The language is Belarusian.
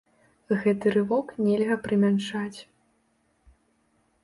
Гэты рывок нельга прымяншаць.